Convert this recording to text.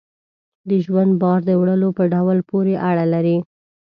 د ژوند بار د وړلو په ډول پورې اړه لري.